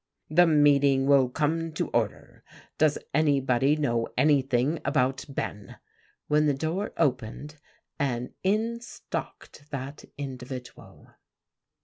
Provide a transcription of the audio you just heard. "The meeting will come to order. Does anybody know anything about Ben?" when the door opened, and in stalked that individual.